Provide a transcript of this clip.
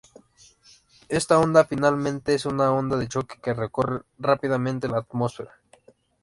Esta onda finalmente es una onda de choque que recorre rápidamente la atmósfera.